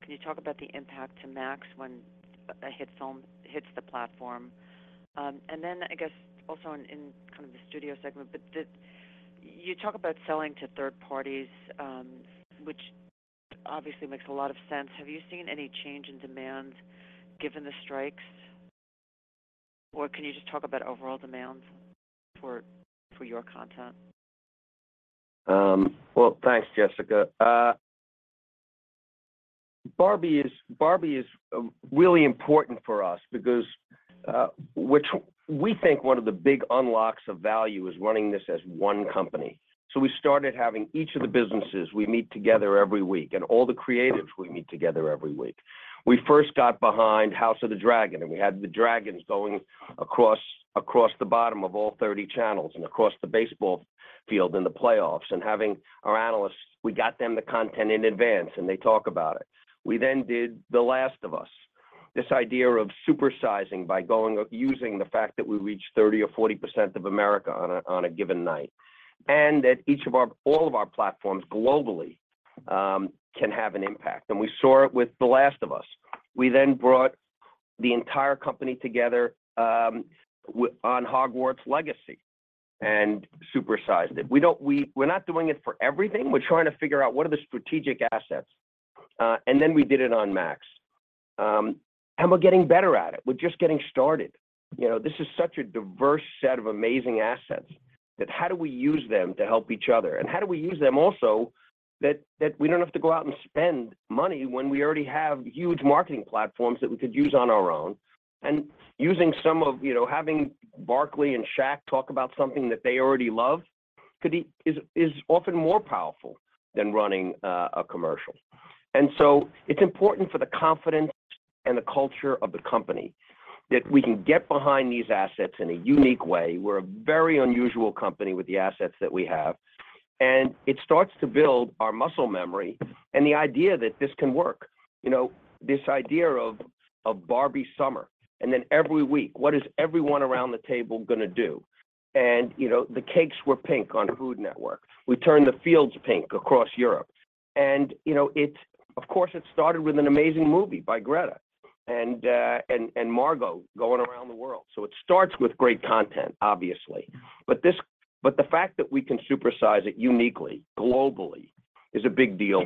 Can you talk about the impact to Max when a hit film hits the platform? I guess, also in, in kind of the studio segment, but you talk about selling to third parties, which obviously makes a lot of sense. Have you seen any change in demand given the strikes, or can you just talk about overall demand for, for your content? Well, thanks, Jessica. Barbie is, Barbie is really important for us because which we think one of the big unlocks of value is running this as one company. We started having each of the businesses, we meet together every week, and all the creatives we meet together every week. We first got behind House of the Dragon, and we had the dragons going across, across the bottom of all 30 channels and across the baseball field in the playoffs. Having our analysts, we got them the content in advance, and they talk about it. We did The Last of Us. This idea of supersizing by using the fact that we reach 30% or 40% of America on a, on a given night, that all of our platforms globally can have an impact, we saw it with The Last of Us. We brought the entire company together on Hogwarts Legacy and supersized it. We're not doing it for everything. We're trying to figure out what are the strategic assets, then we did it on Max. We're getting better at it. We're just getting started. You know, this is such a diverse set of amazing assets, that how do we use them to help each other? How do we use them also, that, that we don't have to go out and spend money when we already have huge marketing platforms that we could use on our own? Using, you know, having Barkley and Shaq talk about something that they already love, is often more powerful than running a commercial. It's important for the confidence and the culture of the company that we can get behind these assets in a unique way. We're a very unusual company with the assets that we have, and it starts to build our muscle memory and the idea that this can work. You know, this idea of, of Barbie summer, and then every week, what is everyone around the table gonna do? You know, the cakes were pink on Food Network. We turned the fields pink across Europe. You know, it of course, it started with an amazing movie by Greta and Margot going around the world. It starts with great content, obviously. This but the fact that we can supersize it uniquely, globally, is a big deal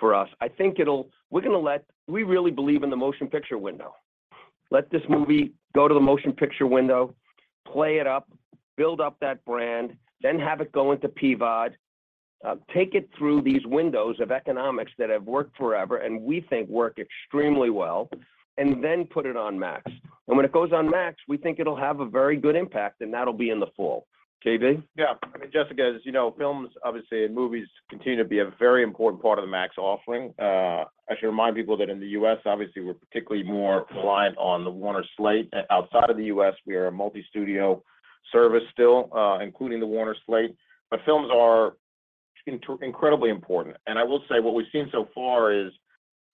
for us. I think it'll we're gonna let we really believe in the motion picture window. Let this movie go to the motion picture window, play it up, build up that brand, then have it go into PVOD. Take it through these windows of economics that have worked forever, and we think work extremely well, and then put it on Max. When it goes on Max, we think it'll have a very good impact, and that'll be in the fall. JB? Yeah. I mean, Jessica, as you know, films, obviously, and movies continue to be a very important part of the Max offering. I should remind people that in the U.S., obviously, we're particularly more reliant on the Warner slate. Outside of the U.S., we are a multi-studio service still, including the Warner slate, but films are incredibly important. I will say, what we've seen so far is,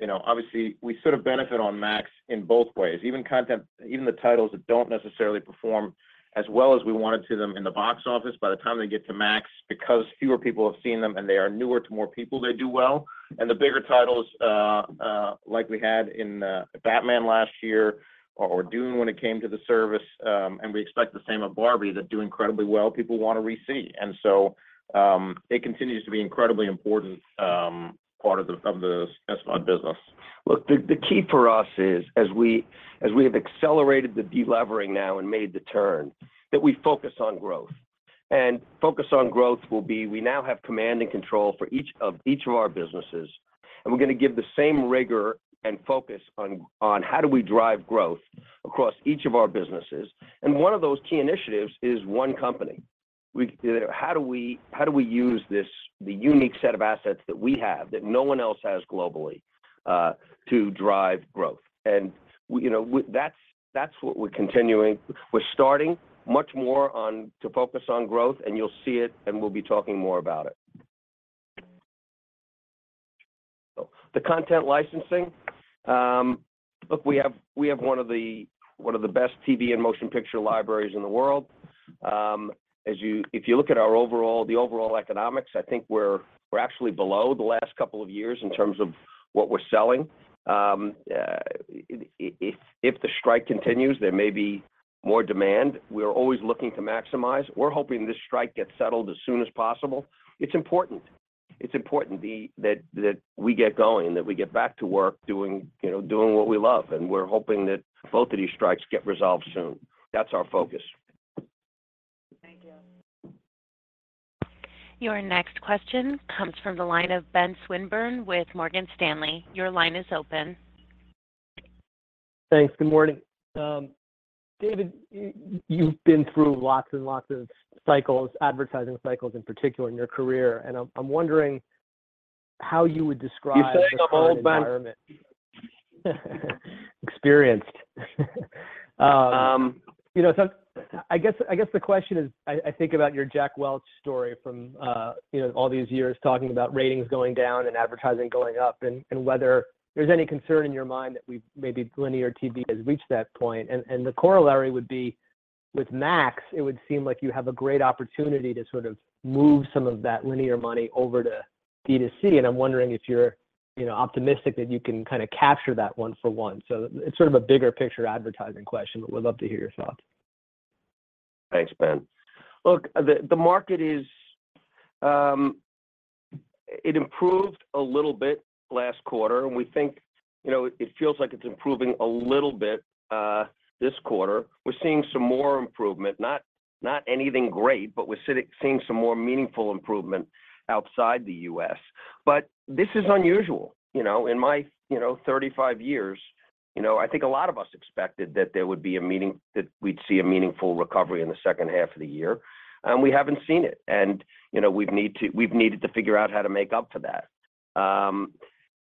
you know, obviously, we sort of benefit on Max in both ways. Even the titles that don't necessarily perform as well as we wanted to them in the box office, by the time they get to Max, because fewer people have seen them and they are newer to more people, they do well. The bigger titles, like we had in Batman last year or Dune when it came to the service, and we expect the same of Barbie, that do incredibly well, people want to re-see. It continues to be incredibly important part of the SVOD business. Look, the, the key for us is, as we, as we have accelerated the delevering now and made the turn, that we focus on growth. Focus on growth will be, we now have command and control for each of, each of our businesses, and we're gonna give the same rigor and focus on, on how do we drive growth across each of our businesses? One of those key initiatives is one company. How do we, how do we use the unique set of assets that we have, that no one else has globally, to drive growth? You know, that's, that's what we're continuing. We're starting much more to focus on growth, and you'll see it, and we'll be talking more about it. The content licensing, look, we have, we have one of the, one of the best TV and motion picture libraries in the world. As if you look at our overall, the overall economics, I think we're, we're actually below the last couple of years in terms of what we're selling. If the strike continues, there may be more demand. We're always looking to maximize. We're hoping this strike gets settled as soon as possible. It's important. It's important the, that, that we get going, that we get back to work doing, you know, doing what we love, and we're hoping that both of these strikes get resolved soon. That's our focus. Thank you. Your next question comes from the line of Ben Swinburne with Morgan Stanley. Your line is open. Thanks. Good morning. David, y- you've been through lots and lots of cycles, advertising cycles in particular, in your career, and I'm, I'm wondering how you would describe the current environment? Experienced. You know, so I guess, I guess the question is, I, I think about your Jack Welch story from, you know, all these years talking about ratings going down and advertising going up, and whether there's any concern in your mind that we maybe linear TV has reached that point. The corollary would be with Max, it would seem like you have a great opportunity to sort of move some of that linear money over to D2C, and I'm wondering if you're, you know, optimistic that you can kinda capture that one for one. It's sort of a bigger picture advertising question, but we'd love to hear your thoughts. Thanks, Ben. Look, the, the market is. It improved a little bit last quarter, and we think, you know, it feels like it's improving a little bit, this quarter. We're seeing some more improvement, not, not anything great, but we're seeing, seeing some more meaningful improvement outside the U.S. This is unusual. You know, in my, you know, 35 years, you know, I think a lot of us expected that there would be that we'd see a meaningful recovery in the second half of the year, and we haven't seen it. You know, we've needed to figure out how to make up for that.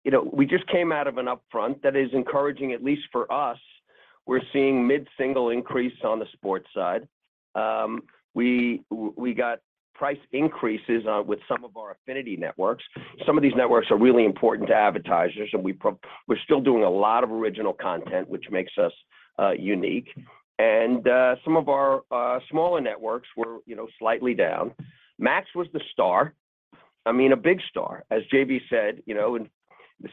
You know, we just came out of an upfront that is encouraging, at least for us. We're seeing mid-single increase on the sports side. We, w- we got price increases on, with some of our affinity networks. Some of these networks are really important to advertisers, and we pro- we're still doing a lot of original content, which makes us unique. Some of our smaller networks were, you know, slightly down. Max was the star. I mean, a big star. As JB said, you know, and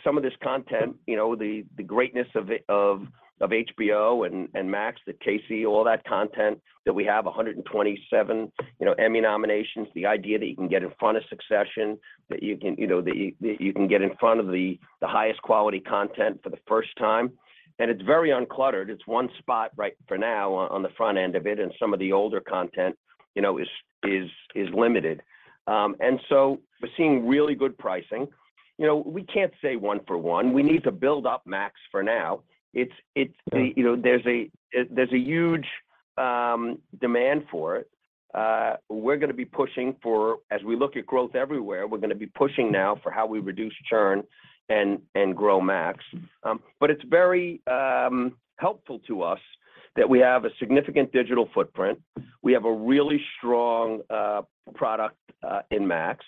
some of this content, you know, the, the greatness of it- of, of HBO and, and Max, all that content, that we have 127, you know, Emmy nominations. The idea that you can get in front of Succession, that you can, you know, that you, that you can get in front of the, the highest quality content for the first time, and it's very uncluttered. It's one spot right for now on the front end of it, some of the older content, you know, is, is, is limited. We're seeing really good pricing. You know, we can't say one for one. We need to build up Max for now. You know, there's a, there's a huge demand for it. We're gonna be pushing as we look at growth everywhere, we're gonna be pushing now for how we reduce churn and, and grow Max. It's very helpful to us that we have a significant digital footprint. We have a really strong product in Max.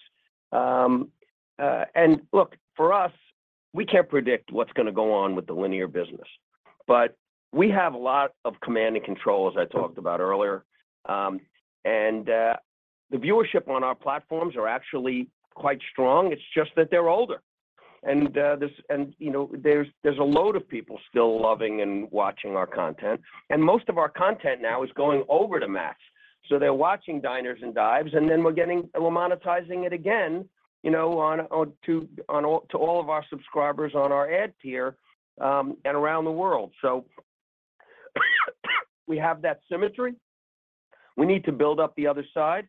For us, we can't predict what's gonna go on with the linear business, but we have a lot of command and control, as I talked about earlier. The viewership on our platforms are actually quite strong. It's just that they're older. You know, there's, there's a load of people still loving and watching our content, and most of our content now is going over to Max. They're watching Diners and Dives, and then we're getting-- we're monetizing it again, you know, on, on, to, on all-- to all of our subscribers on our ad tier, and around the world. We have that symmetry. We need to build up the other side,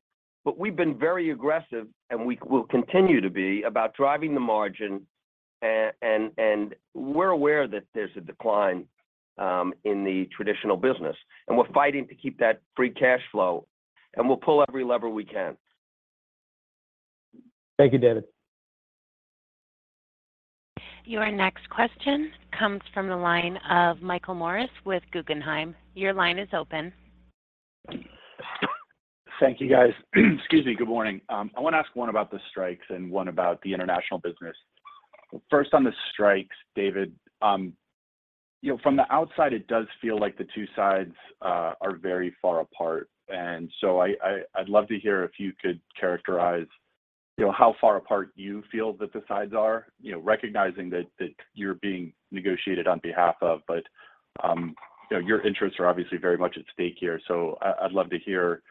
we've been very aggressive, and we will continue to be, about driving the margin. We're aware that there's a decline in the traditional business, and we're fighting to keep that free cash flow, and we'll pull every lever we can. Thank you, David. Your next question comes from the line of Michael Morris with Guggenheim. Your line is open. Thank you, guys. Excuse me. Good morning. I wanna ask one about the strikes and one about the international business. First, on the strikes, David, you know, from the outside, it does feel like the two sides are very far apart. I, I, I'd love to hear if you could characterize, you know, how far apart you feel that the sides are. You know, recognizing that, that you're being negotiated on behalf of, but, you know, your interests are obviously very much at stake here. I, I'd love to hear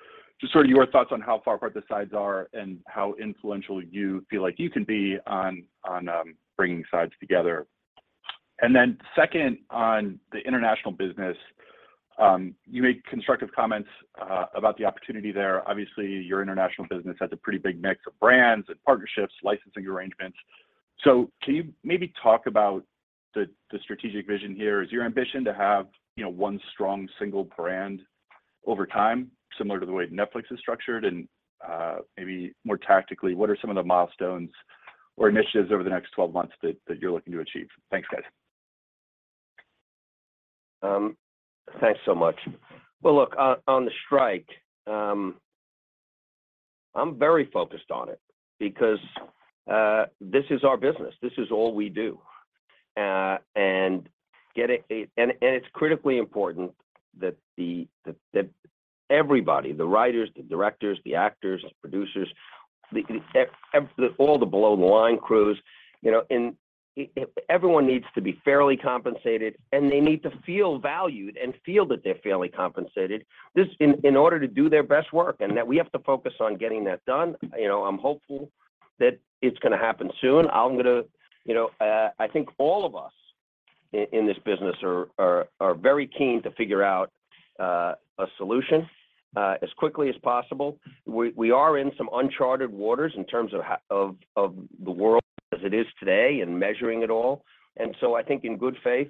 just sort of your thoughts on how far apart the sides are, and how influential you feel like you can be on, on, bringing sides together. Second, on the international business, you made constructive comments about the opportunity there. Obviously, your international business has a pretty big mix of brands and partnerships, licensing arrangements. Can you maybe talk about the strategic vision here? Is your ambition to have, you know, one strong single brand over time, similar to the way Netflix is structured? Maybe more tactically, what are some of the milestones or initiatives over the next 12 months that you're looking to achieve? Thanks, guys. Thanks so much. Well, look, on, on the strike, I'm very focused on it because this is our business. This is all we do. And, and it's critically important that everybody, the writers, the directors, the actors, the producers, the below-the-line crews, you know, everyone needs to be fairly compensated, and they need to feel valued and feel that they're fairly compensated. This in, in order to do their best work, and that we have to focus on getting that done. You know, I'm hopeful that it's gonna happen soon. I'm gonna you know, I think all of us in this business are very keen to figure out a solution as quickly as possible. We, we are in some uncharted waters in terms of of, of the world as it is today and measuring it all. So I think in good faith,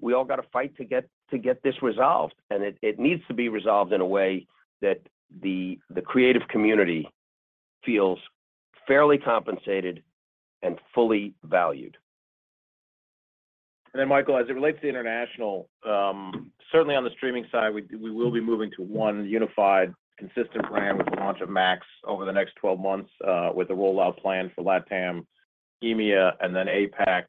we all gotta fight to get, to get this resolved. It, it needs to be resolved in a way that the, the creative community feels fairly compensated and fully valued. Then, Michael, as it relates to international, certainly on the streaming side, we, we will be moving to one unified, consistent brand with the launch of Max over the next 12 months, with a rollout plan for LATAM, EMEA, and then APAC.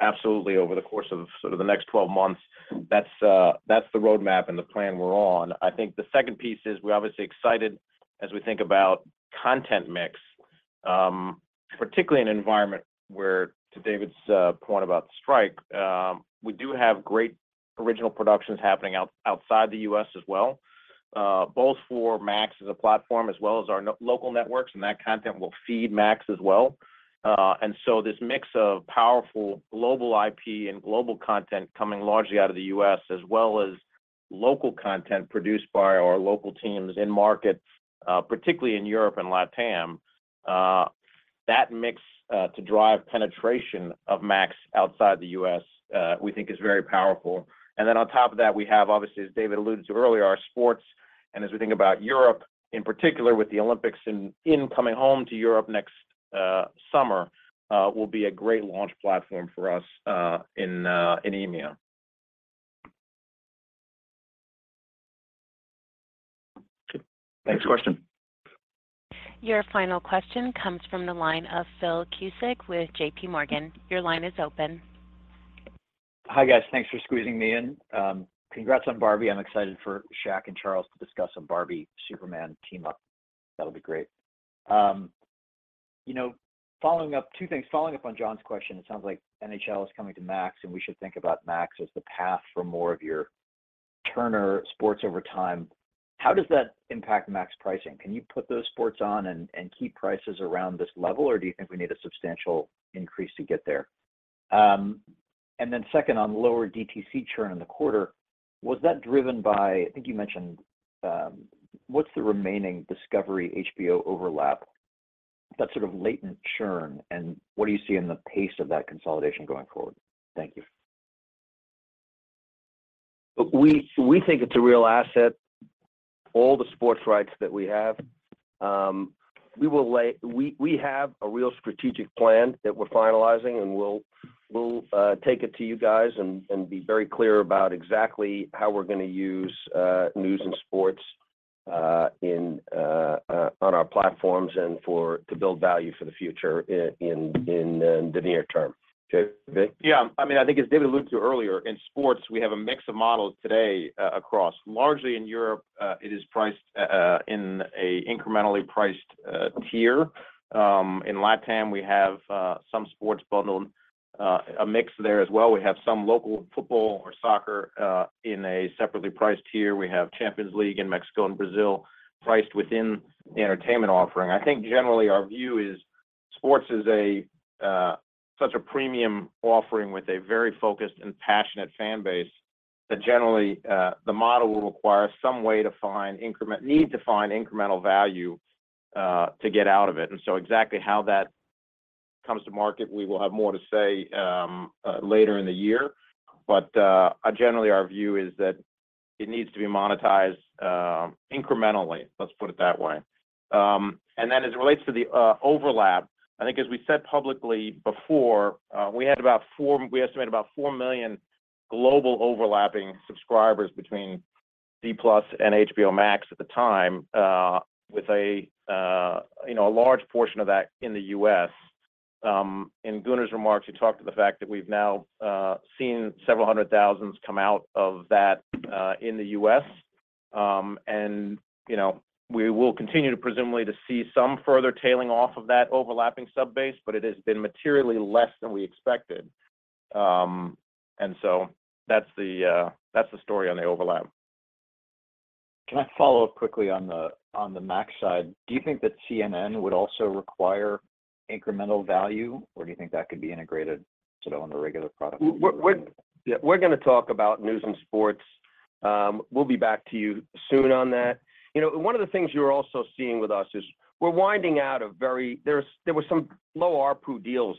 Absolutely over the course of sort of the next 12 months, that's, that's the roadmap and the plan we're on. I think the second piece is we're obviously excited as we think about content mix, particularly in an environment where, to David's, point about the strike, we do have great original productions happening outside the U.S. as well, both for Max as a platform as well as our local networks, and that content will feed Max as well. So this mix of powerful global IP and global content coming largely out of the U.S., as well as local content produced by our local teams in market, particularly in Europe and LATAM, that mix, to drive penetration of Max outside the U.S., we think is very powerful. Then on top of that, we have obviously, as David alluded to earlier, our sports. As we think about Europe, in particular with the Olympics in coming home to Europe next summer, will be a great launch platform for us in EMEA. Next question. Your final question comes from the line of Philip Cusick with JPMorgan. Your line is open. Hi, guys. Thanks for squeezing me in. Congrats on Barbie. I'm excited for Shaq and Charles to discuss a Barbie-Superman team-up. That'll be great. You know, following up, two things. Following up on John's question, it sounds like NHL is coming to Max, and we should think about Max as the path for more of your Turner Sports over time. How does that impact Max pricing? Can you put those sports on and, and keep prices around this level, or do you think we need a substantial increase to get there? And then second, on lower DTC churn in the quarter, was that driven by I think you mentioned, what's the remaining discovery+ HBO overlap, that sort of latent churn, and what do you see in the pace of that consolidation going forward? Thank you. We think it's a real asset, all the sports rights that we have. We have a real strategic plan that we're finalizing, and we'll take it to you guys and be very clear about exactly how we're gonna use news and sports in on our platforms and to build value for the future in the near term. [Jean-Briac]? Yeah. I mean, I think as David alluded to earlier, in sports, we have a mix of models today across. Largely in Europe, it is priced in a incrementally priced tier. In LATAM, we have some sports bundled, a mix there as well. We have some local football or soccer in a separately priced tier. We have Champions League in Mexico and Brazil, priced within the entertainment offering. I think generally our view is. Sports is such a premium offering with a very focused and passionate fan base, that generally, the model will require some way to find need to find incremental value to get out of it. So exactly how that comes to market, we will have more to say later in the year. Generally, our view is that it needs to be monetized incrementally, let's put it that way. As it relates to the overlap, I think as we said publicly before, we had about 4 million global overlapping subscribers between discovery+ and HBO Max at the time, with a, you know, a large portion of that in the U.S. In Gunnar's remarks, he talked to the fact that we've now seen several hundred thousand come out of that in the U.S. You know, we will continue to presumably to see some further tailing off of that overlapping sub base, but it has been materially less than we expected. That's the, that's the story on the overlap. Can I follow up quickly on the, on the Max side? Do you think that CNN would also require incremental value, or do you think that could be integrated, sort of, on a regular product? We, yeah, we're gonna talk about news and sports. We'll be back to you soon on that. You know, one of the things you're also seeing with us is we're winding out some low ARPU deals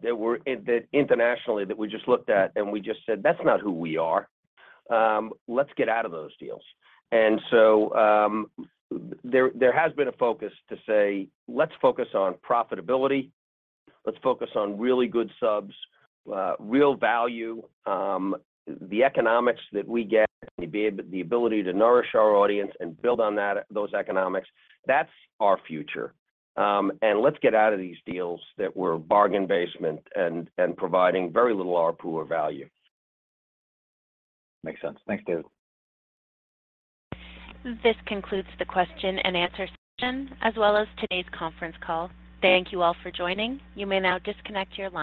that internationally that we just looked at, we just said, "That's not who we are. Let's get out of those deals." There has been a focus to say, "Let's focus on profitability. Let's focus on really good subs, real value, the economics that we get, the ability to nourish our audience and build on that, those economics. That's our future. Let's get out of these deals that were bargain basement and providing very little ARPU or value. Makes sense. Thanks, David. This concludes the question and answer session, as well as today's conference call. Thank you all for joining. You may now disconnect your line.